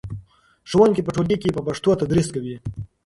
ښوونکي په ټولګي کې په پښتو تدریس کوي.